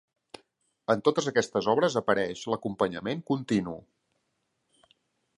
En totes aquestes obres apareix l'acompanyament continu.